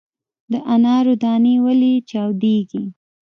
د انارو دانې ولې چاودیږي؟